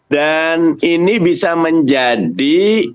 dan ini bisa menjadi